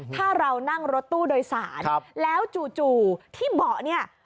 ถ้าเรานั่งรถตู้โดยสารแล้วจู่ที่เบาะเนี่ย